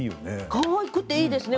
かわいくていいですね。